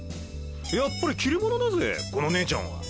やっぱり切れ者だぜこの姉ちゃんは。